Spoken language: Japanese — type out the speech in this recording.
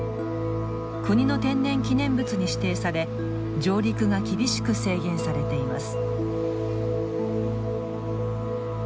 国の天然記念物に指定され上陸が厳しく制限されています。